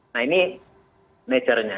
nah ini nature nya